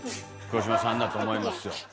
黒島さんだと思いますよ。